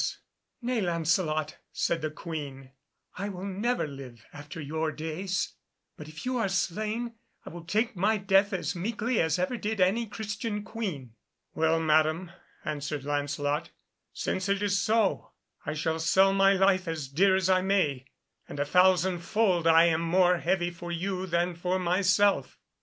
[Illustration: LANCELOT COMES OVT OF GVENEVERE'S ROOM] "Nay, Lancelot," said the Queen, "I will never live after your days, but if you are slain I will take my death as meekly as ever did any Christian Queen." "Well, Madam," answered Lancelot, "since it is so, I shall sell my life as dear as I may, and a thousandfold I am more heavy for you than for myself."